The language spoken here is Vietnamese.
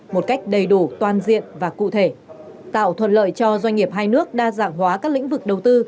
một cách đầy đủ toàn diện và cụ thể tạo thuận lợi cho doanh nghiệp hai nước đa dạng hóa các lĩnh vực đầu tư